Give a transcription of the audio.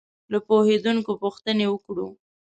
له پوهېدونکو پوښتنې وکړو.